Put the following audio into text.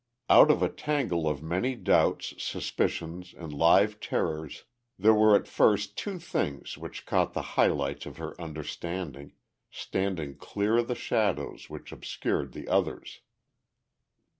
Out of a tangle of many doubts, suspicions and live terrors there were at first two things which caught the high lights of her understanding, standing clear of the shadows which obscured the others.